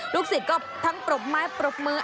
ศิษย์ก็ทั้งปรบไม้ปรบมือ